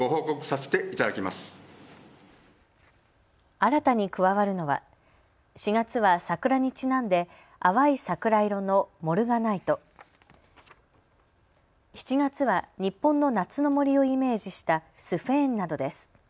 新たに加わるのは４月は桜にちなんで淡い桜色のモルガナイト、７月は日本の夏の森をイメージしたスフェーンなどです。